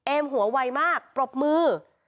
หัวไวมากปรบมือ